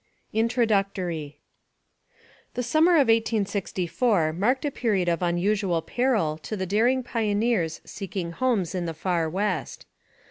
INTRODUCTORY. THE summer of 1864 marked a period of unusual peril to the daring pioneers seeking homes in the far West.